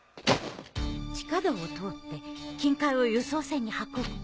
地下道を通って金塊を輸送船に運ぶ。